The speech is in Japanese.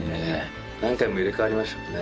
何回も入れかわりましたもんね